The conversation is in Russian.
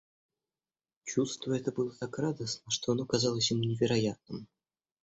Чувство это было так радостно, что оно казалось ему невероятным.